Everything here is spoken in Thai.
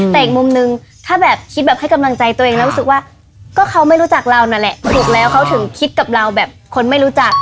แต่อีกมุมนึงถ้าแบบคิดแบบให้กำลังใจตัวเองแล้วรู้สึกว่าก็เขาไม่รู้จักเรานั่นแหละถูกแล้วเขาถึงคิดกับเราแบบคนไม่รู้จัก